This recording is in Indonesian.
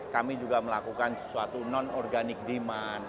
kami juga melakukan sesuatu non organic demand